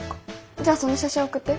じゃその写真送って。